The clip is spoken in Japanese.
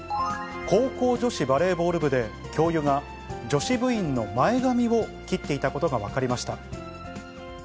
高校女子バレーボール部で、教諭が女子部員の前髪を切っていたことが分かりました。